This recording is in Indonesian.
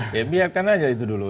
ya biarkan aja itu dulu